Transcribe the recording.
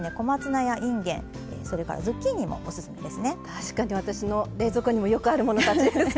確かに私の冷蔵庫にもよくあるものたちです。